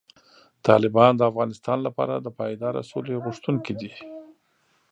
طالبان د افغانستان لپاره د پایداره سولې غوښتونکي دي.